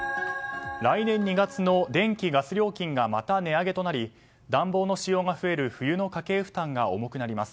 来年２月の電気・ガス料金がまた値上げとなり暖房の使用が増える冬の家計負担が重くなります。